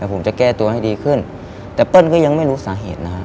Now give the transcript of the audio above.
ผมจะแก้ตัวให้ดีขึ้นแต่เปิ้ลก็ยังไม่รู้สาเหตุนะฮะ